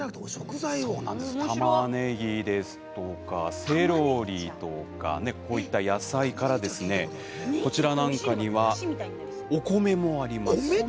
タマネギですとか、セロリとかこういった野菜からこちらには、お米もあります。